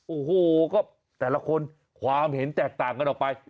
โอ้โหก็แต่ละคนความเห็นแตกต่างกันออกไป